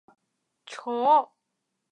弗勒里涅人口变化图示